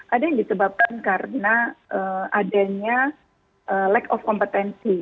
ada yang disebabkan karena adanya lack of kompetensi